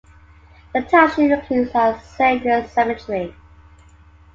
The township includes Our Saviors Cemetery.